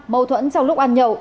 mâu thuẫn trong lúc ăn nhậu